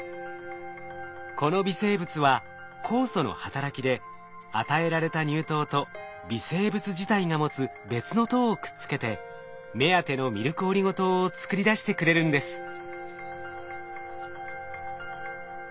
この微生物は酵素の働きで与えられた乳糖と微生物自体が持つ別の糖をくっつけて目当てのミルクオリゴ糖を作り出してくれるんです。